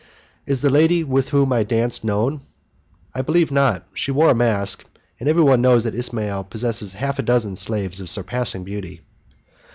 "Is the lady with whom I danced known?" "I believe not. She wore a mask, and everybody knows that Ismail possesses half a dozen slaves of surpassing beauty."